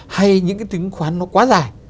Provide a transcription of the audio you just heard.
hay những cái chứng khoán nó quá dài